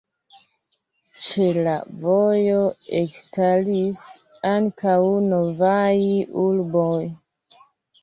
Ĉe la vojo ekstaris ankaŭ novaj urboj.